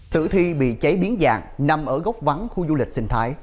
tử thi bị cháy biến dạng nằm ở gốc vắng khu du lịch sinh thái